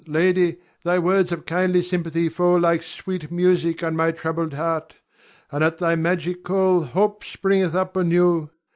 Ion. Lady, thy words of kindly sympathy fall like sweet music on my troubled heart, and at thy magic call hope springeth up anew.